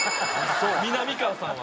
みなみかわさんは。